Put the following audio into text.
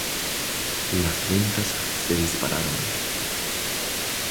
Las ventas se dispararon.